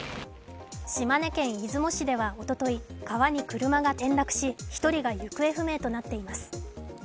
島根県出雲市ではおととい、川に車が転落し１人が行方不明となっています。